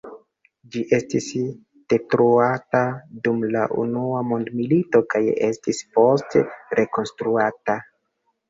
Ĝi estis detruata dum la Unua Mondmilito kaj estis poste rekonstruata.